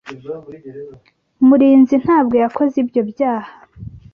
Murinzi ntabwo yakoze ibyo byaha.